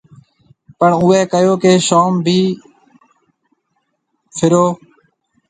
پڻ اُوئي ڪهيو ڪيَ شوم ڀِي ڦرِهون۔